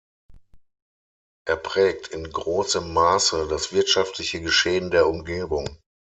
Er prägt in großem Maße das wirtschaftliche Geschehen der Umgebung.